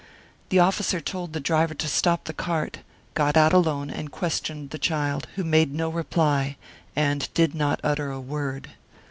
The officer told the driver to stop the cart, got out alone, and questioned the child, who made no reply, and did not utter a word.